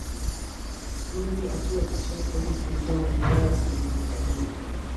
mwezi akiwa peke yake huku njaa na yao ikimkabili